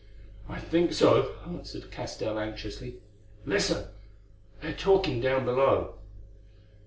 "I think so," answered Castell anxiously. "Listen, they are talking down below."